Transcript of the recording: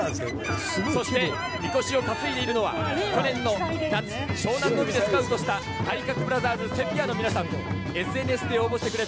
そしてみこしを担いでいるのは、去年の夏、湘南の海でスカウトした体格ブラザーズセピアの皆さん、ＳＮＳで応募してくれた